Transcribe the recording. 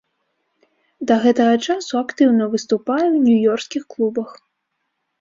Да гэтага часу актыўна выступае ў нью-ёркскіх клубах.